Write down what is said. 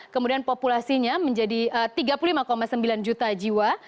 kemudian populasinya menjadi tiga puluh lima sembilan juta jiwa